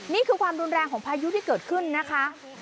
นี่คือความรุนแรงของพายุที่เกิดขึ้นนะคะ